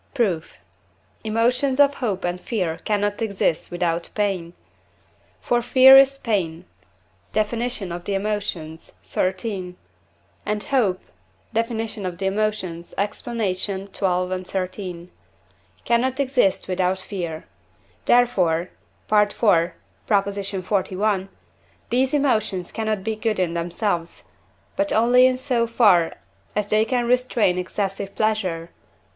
Proof. Emotions of hope and fear cannot exist without pain. For fear is pain (Def. of the Emotions, xiii.), and hope (Def. of the Emotions, Explanation xii. and xiii.) cannot exist without fear; therefore (IV. xli.) these emotions cannot be good in themselves, but only in so far as they can restrain excessive pleasure (IV.